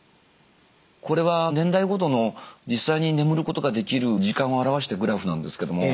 これは年代ごとの実際に眠ることができる時間を表したグラフなんですけども。